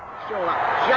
試合